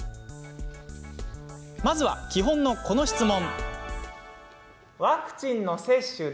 まずは基本の、この質問。